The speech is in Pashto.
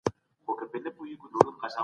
باطل د مځکي پر مخ ذلیل دی.